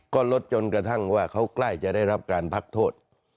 ก็ลดจนกระทั่งว่าเขาใกล้จะได้รับการพักโทษ